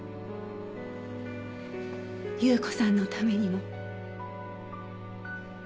有雨子さんのためにも。